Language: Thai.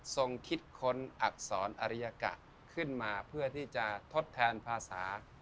คิดค้นอักษรอริยกะขึ้นมาเพื่อที่จะทดแทนภาษา